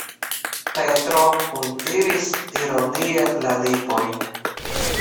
Petro kuntiris ironie la lipojn.